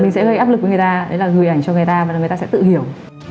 mình sẽ gây áp lực với người ta gửi ảnh cho người ta và người ta sẽ tự hiểu